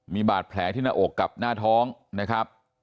มีบาดแผลที่หน้าอกกับหน้าท้องนะครับ